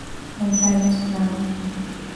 El tallo es plano.